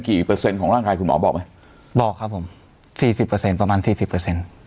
กี่เปอร์เซ็นต์ของร่างกายหมอบอกไหมบอกครับผม๔๐ประมาณ๔๐